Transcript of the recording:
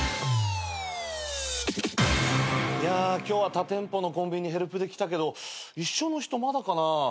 今日は他店舗のコンビニヘルプで来たけど一緒の人まだかな？